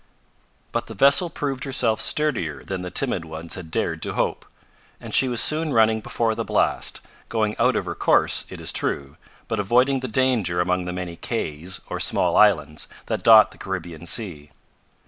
But the vessel proved herself sturdier than the timid ones had dared to hope, and she was soon running before the blast, going out of her course, it is true, but avoiding the danger among the many cays, or small islands, that dot the Caribbean Sea.